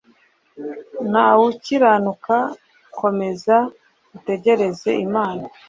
Nta wukiranuka komeza utegereze imana